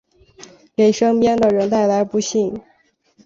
给身边的人带来不幸